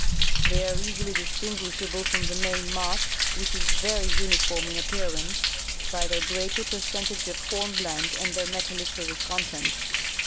They are easily distinguishable from the main mass, which is very uniform in appearance, by their greater percentage of hornblende and their metalliferous contents.